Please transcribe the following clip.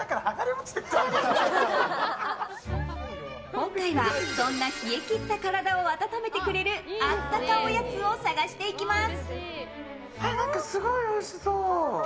今回は、そんな冷え切った体を温めてくれるあったかおやつを探していきます！